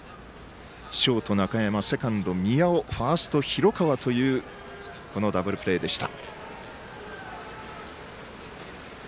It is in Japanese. ショート、中山セカンド、宮尾ファースト、広川というこのダブルプレーでした。